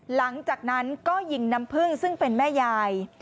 หลังจากนั้นก็ยิงน้ำพึ่งซึ่งเป็นแม่ยาย